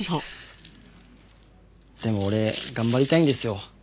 でも俺頑張りたいんですよ。